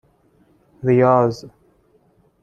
ریاض